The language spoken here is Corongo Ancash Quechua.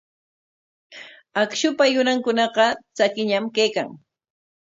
Akshupa yurankunaqa tsakiñam kaykan.